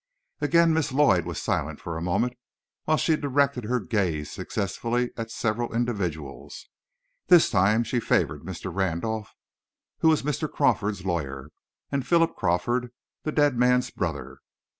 Again Miss Lloyd was silent for a moment, while she directed her gaze successively at several individuals. This time she favored Mr. Randolph, who was Mr. Crawford's lawyer, and Philip Crawford, the dead man's brother.